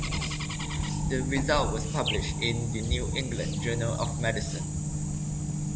The result was published in "The New England Journal of Medicine".